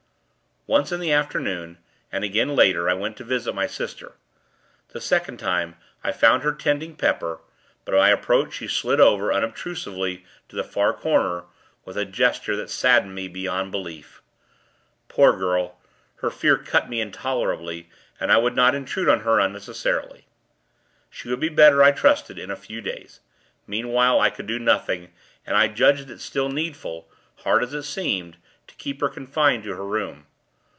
Once, in the afternoon, and again, later, I went to visit my sister. The second time, I found her tending Pepper; but, at my approach, she slid over, unobtrusively, to the far corner, with a gesture that saddened me beyond belief. Poor girl! her fear cut me intolerably, and I would not intrude on her, unnecessarily. She would be better, I trusted, in a few days; meanwhile, I could do nothing; and I judged it still needful hard as it seemed to keep her confined to her room.